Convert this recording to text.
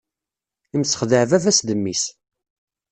Imsexdeɛ baba-s d mmi-s.